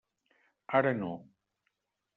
Ara no.